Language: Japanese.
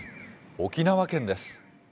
沖縄県です。